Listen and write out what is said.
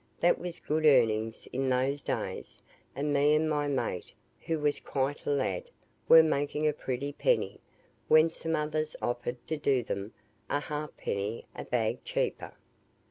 That was good earnings in those days; and me and my mate, who was quite a lad, were making a pretty penny, when some others offered to do them a halfpenny a bag cheaper.